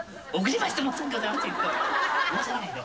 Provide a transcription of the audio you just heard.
申し訳ない。